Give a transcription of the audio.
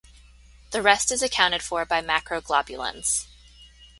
The rest is accounted for by macroglobulins.